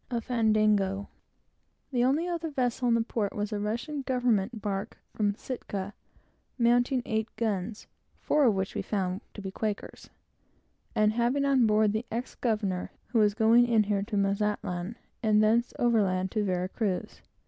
A FANDANGO The only other vessel in port was the Russian government bark, from Asitka, mounting eight guns, (four of which we found to be Quakers,) and having on board the ex governor, who was going in her to Mazatlan, and thence overland to Vera Cruz.